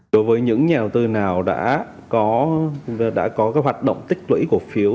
đối với những nhà đầu tư nào đã có hoạt động tích lũy cổ phiếu